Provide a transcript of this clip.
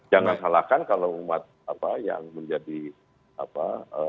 jangan salahkan kalau umat apa yang menjadi apa